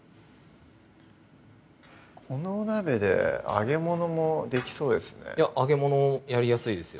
このお鍋で揚げ物もできそうですねいや揚げ物やりやすいですよ